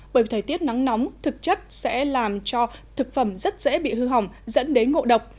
bởi thời tiết nắng nóng thực chất sẽ làm cho thực phẩm rất dễ bị hư hỏng dẫn đến ngộ độc